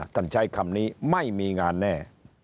ใช้คำนี้ไม่มีงานแน่